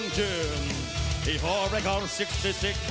นัทธเดทฟลุ๊คบอมีเกียว